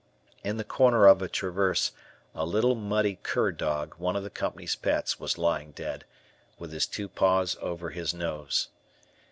In the corner of a traverse, a little, muddy cur dog, one of the company's pets, was lying dead, with his two paws over his nose.